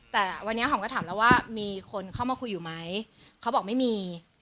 แต่วันนี้หอมก็ถามแล้วว่ามีคนเข้ามาคุยอยู่ไหมเขาบอกไม่มี